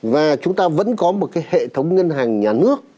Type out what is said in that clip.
và chúng ta vẫn có một cái hệ thống ngân hàng nhà nước